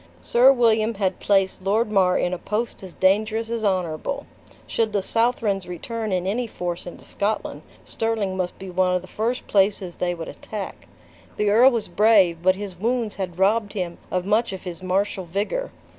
Sir William had placed Lord Mar in a post as dangerous as honorable. Should the Southrons return in any force into Scotland, Stirling must be one of the first places they would attack. The earl was brave, but his wounds had robbed him of much of his martial vigor.